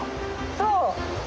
そう。